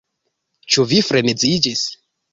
Ĉu vi freneziĝis?